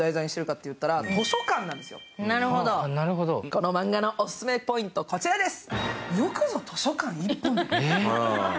このマンガのオススメポイント、こちらです。